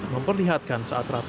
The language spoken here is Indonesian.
memperlihatkan saat rapat